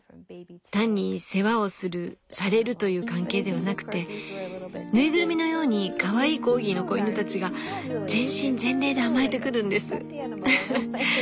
単に世話をするされるという関係ではなくて縫いぐるみのようにかわいいコーギーの子犬たちが全身全霊で甘えてくるんです。